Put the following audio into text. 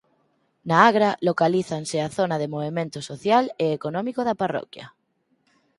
Na Agra localízanse a zona de movemento social e económico da parroquia.